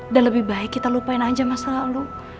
dan lebih baik kita lupain aja masa lalu